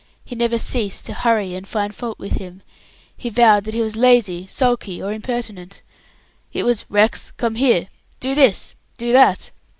He never ceased to hurry and find fault with him. He vowed that he was lazy, sulky, or impertinent. It was "Rex, come here! Do this! Do that!"